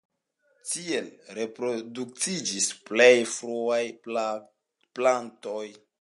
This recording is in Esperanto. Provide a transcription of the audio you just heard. Tiel reproduktiĝis plej fruaj plantoj.